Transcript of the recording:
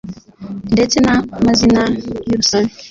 ndetse na mazina yu rusobe